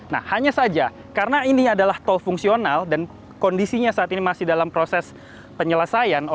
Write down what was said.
nah hanya saja karena ini adalah tol fungsional dan kondisinya saat ini masih dalam proses penyelesaian